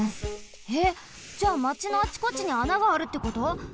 えっじゃあまちのあちこちにあながあるってこと！？